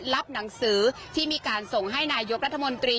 รับหนังสือที่มีการส่งให้นายกรัฐมนตรี